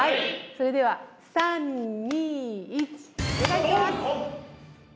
それでは３、２、１お願いします。